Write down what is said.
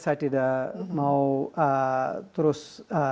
saya tidak mau terus